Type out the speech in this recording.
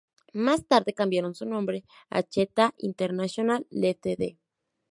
Más tarde cambiaron su nombre a Cheetah International Ltd.